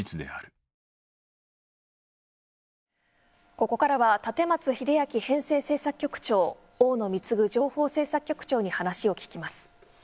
ここからは立松嗣章編成制作局長大野貢情報制作局長に話を聞きます。